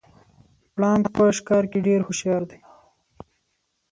پړانګ په ښکار کې ډیر هوښیار دی